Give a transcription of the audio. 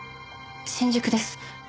新宿です。